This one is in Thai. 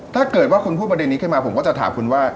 ถ้าเกิดว่าคุณพูดประเด็นนี้ขึ้นมาผมก็จะถามคุณว่า